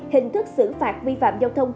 hình thức xử phạt vi phạm giao thông